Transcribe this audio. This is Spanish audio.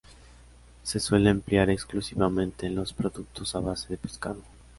Se suele emplear exclusivamente en los productos a base de pescado.